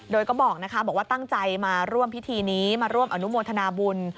โดยก็บอกนะคะบอกว่าตั้งใจมาร่วมพิธีนี้มาร่วมอนุโมทนาบุญ